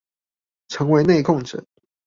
成為內控者